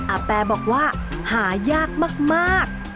อาแปบอกว่าหายากมาก